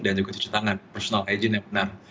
dan juga cuci tangan personal hygiene yang benar